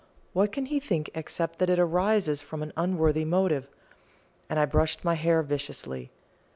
what can he think except that it arises from an unworthy motive? and I brushed my hair viciously.